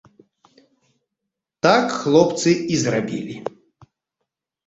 Так хлопцы і зрабілі.